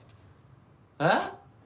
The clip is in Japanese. えっ？